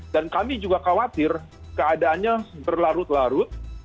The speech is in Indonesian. dan kami juga khawatir keadaannya berlarut larut